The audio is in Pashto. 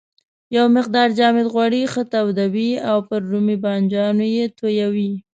یو مقدار جامد غوړي ښه تودوي او پر رومي بانجانو یې تویوي.